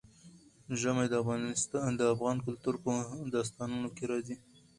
ژمی د افغان کلتور په داستانونو کې راځي.